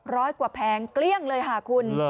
ร้อยกว่าแผงเกลี้ยงเลยค่ะคุณ